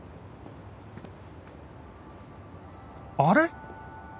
あれ？